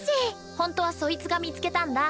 ホントはそいつが見つけたんだ